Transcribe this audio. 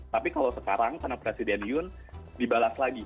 tapi kalau sekarang karena presiden yun dibalas lagi